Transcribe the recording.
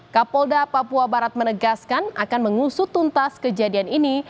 kapolda papua barat menegaskan akan mengusut tuntas kejadian ini